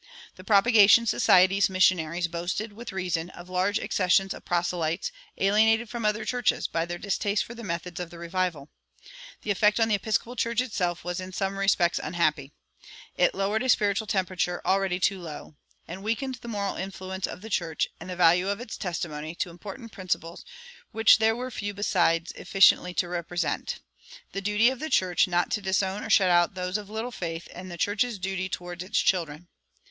The Propagation Society's missionaries boasted, with reason, of large accessions of proselytes alienated from other churches by their distaste for the methods of the revival. The effect on the Episcopal Church itself was in some respects unhappy. It "lowered a spiritual temperature already too low,"[177:1] and weakened the moral influence of the church, and the value of its testimony to important principles which there were few besides efficiently to represent the duty of the church not to disown or shut out those of little faith, and the church's duty toward its children.